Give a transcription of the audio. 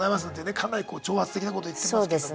かなりこう挑発的なこと言ってますけども。